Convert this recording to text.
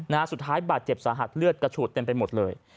นะฮะสุดท้ายบาดเจ็บสาหัสเลือดกระฉูดเต็มไปหมดเลย